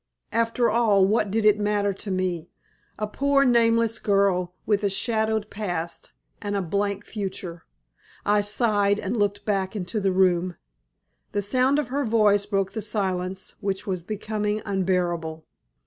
After all what did it matter to me, a poor, nameless girl, with a shadowed past and a blank future? I sighed, and looked back into the room. The sound of her voice broke the silence, which was becoming unbearable.